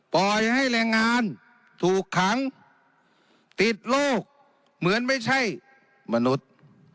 ปล่อยให้แรงงานถูกขังติดโรคเหมือนไม่ใช่มนุษย์